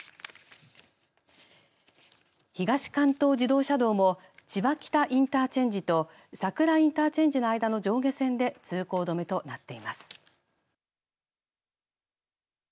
東関東自動車道も千葉北インターチェンジと佐倉インターチェンジの間の上下線で通行止めとなっています。